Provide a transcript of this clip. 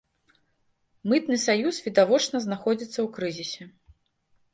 Мытны саюз відавочна знаходзіцца ў крызісе.